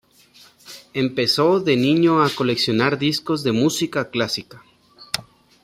Empezó de niño a coleccionar discos de música clásica.